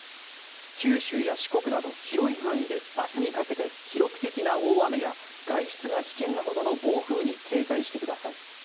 九州や四国など広い範囲で明日にかけて記録的な大雨や外出が危険なほどの暴風に警戒してください。